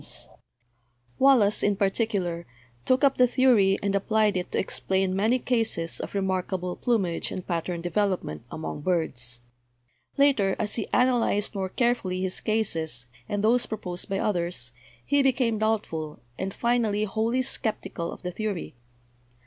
SEXUAL SELECTION 217 Wallace, in particular, took up the theory and applied it to explain many cases of remarkable plumage and pat tern development among birds. Later, as he analyzed) more carefully his cases, and those proposed by others, he became doubtful, and finally wholly skeptical of the theory.